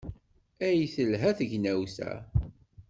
Ay telha tegnawt-a!